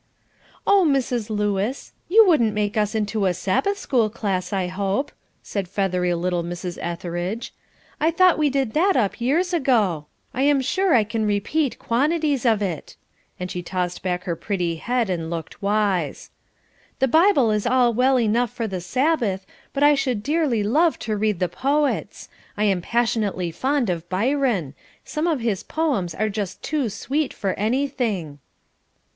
"Oh, Mrs. Lewis! You wouldn't make us into a Sabbath school class, I hope," said feathery little Mrs. Etheridge. "I thought we did that up years ago. I am sure I can repeat quantities of it," and she tossed back her pretty head and looked wise. "The Bible is all well enough for the Sabbath, but I should dearly love to read the poets. I am passionately fond of Byron; some of his poems are just too sweet for anything."